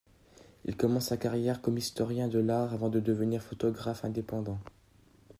Il commence sa carrière comme historien de l’art avant de devenir photographe indépendant.